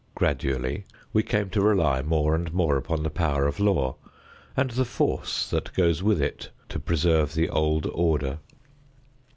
Gradually we came to rely more and more upon the power of law and the force that goes with it to preserve the old order.